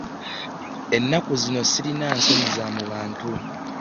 Ennaku zino sirina nsonyi z'omu bantu.